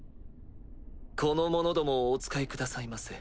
この者どもをお使いくださいませ。